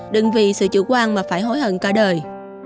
đừng vì sự chủ quan mà phải hối hận cả đời